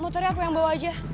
muternya aku yang bawa aja